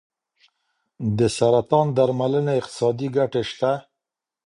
د سرطان درملنې اقتصادي ګټې شته.